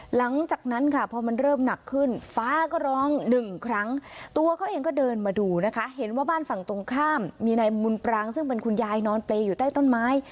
หลังจากนั้นค่ะพอมันเริ่มหนักขึ้นฟ้าก็ร้องหนึ่งครั้งตัวเขาเองก็เดินมาดูนะคะเห็นว่าบ้านฝั่งตรงข้ามมีนายมุนปรางซึ่งเป็นคุณยายนอนเปรย์อยู่ใต้ต้นไม้